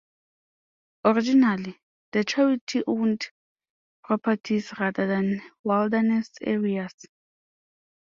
Originally, the charity owned properties rather than "wilderness" areas.